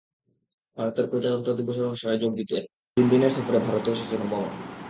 ভারতের প্রজাতন্ত্র দিবসের অনুষ্ঠানে যোগ দিতে তিন দিনের সফরে ভারতে এসেছেন ওবামা।